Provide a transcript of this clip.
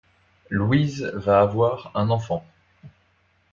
Louise va avoir un enfant.